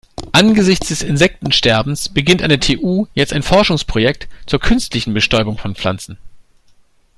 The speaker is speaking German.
Angesichts des Insektensterbens beginnt an der TU jetzt ein Forschungsprojekt zur künstlichen Bestäubung von Pflanzen.